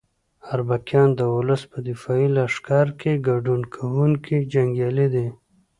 اربکیان د ولس په دفاعي لښکر کې ګډون کوونکي جنګیالي دي.